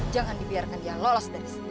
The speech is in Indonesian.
jangan dibiarkan dia lolos dari situ